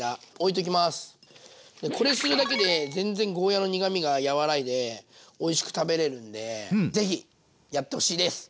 でこれするだけで全然ゴーヤーの苦みがやわらいでおいしく食べれるんで是非やってほしいです。